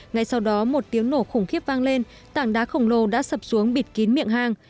ngay sau đó một tiếng nổ khủng khiếp vang lên tảng đá khổng lồ đã sập xuống bịt kín miệng hang